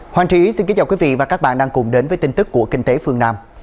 hoàng trí xin kính chào quý vị và các bạn đang cùng đến với tin tức của kinh tế phương nam